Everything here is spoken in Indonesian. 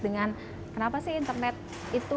dengan kenapa sih internet itu